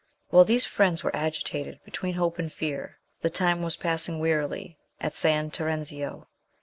While these friends were agitated between hope and fear, the time was passing wearily at San Terenzio.